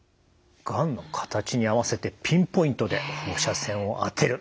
がんの形に合わせてピンポイントで放射線を当てる。